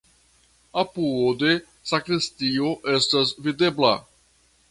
Apude sakristio estas videbla.